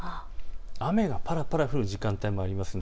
雨がぱらぱら降る時間帯もあります。